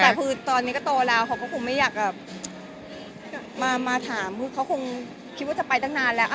แต่คือตอนนี้ก็โตแล้วเขาก็คงไม่อยากแบบมาถามคือเขาคงคิดว่าจะไปตั้งนานแล้ว